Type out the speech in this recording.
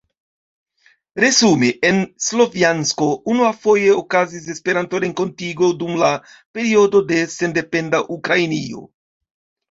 Resume, en Slovjansko unuafoje okazis Esperanto-renkontigo dum la periodo de sendependa Ukrainio.